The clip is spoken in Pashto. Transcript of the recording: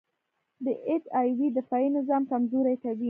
د اچ آی وي دفاعي نظام کمزوری کوي.